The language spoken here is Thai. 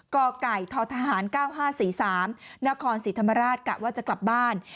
กไก่ททหาร๙๕๔๓นครศรีธรรมราชกะว่าจะกลับบ้าน